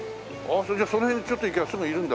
それじゃあその辺にちょっと行きゃすぐいるんだ。